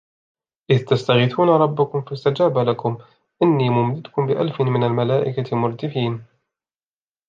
إِذْ تَسْتَغِيثُونَ رَبَّكُمْ فَاسْتَجَابَ لَكُمْ أَنِّي مُمِدُّكُمْ بِأَلْفٍ مِنَ الْمَلَائِكَةِ مُرْدِفِينَ